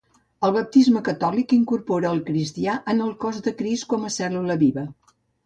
El baptisme catòlic incorpora el cristià en el cos de Crist, com a cèl·lula viva.